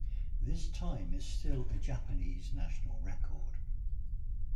This time is still a Japanese national record.